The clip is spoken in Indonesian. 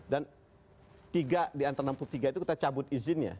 dan tiga diantara enam puluh tiga itu kita cabut izinnya